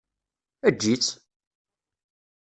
Eǧǧ-itt!